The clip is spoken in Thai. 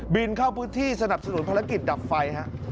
เข้าพื้นที่สนับสนุนภารกิจดับไฟ